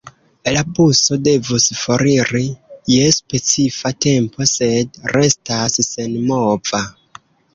La buso devus foriri je specifa tempo, sed restas senmova.